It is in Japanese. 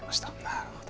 なるほど。